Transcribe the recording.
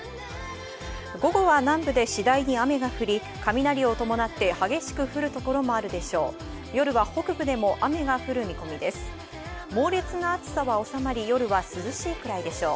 午後は南部で次第に雨が降り、雷を伴って激しく降る所もあるでしょう。